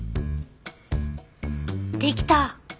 できた！